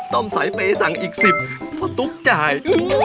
ต้องสายไปสั่งอีกสิบเพราะทุกข์จ่าย